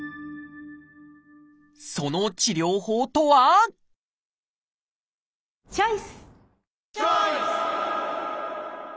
その治療法とはチョイス！